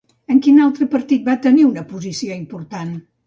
En quin altre partit va tenir una posició important?